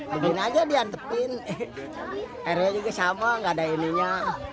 bikin aja diantepin airnya juga sama gak ada ininya